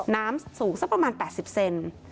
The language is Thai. น้ำสูงสักประมาณ๘๐เซน